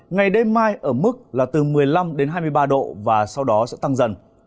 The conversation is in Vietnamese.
ngày đêm mai ở mức là từ một mươi năm đến hai mươi ba độ và sau đó sẽ tăng dần